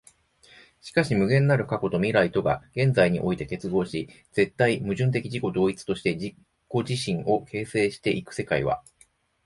しかし無限なる過去と未来とが現在において結合し、絶対矛盾的自己同一として自己自身を形成し行く世界は、